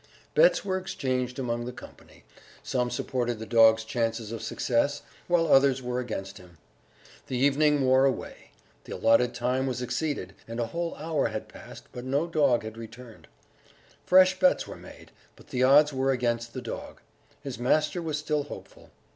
Bets were exchanged among the company some supported the dog's chances of success, while others were against him. The evening wore away; the allotted time was exceeded, and a whole hour had passed, but no dog had returned. Fresh bets were made, but the odds were against the dog. His master was still hopeful....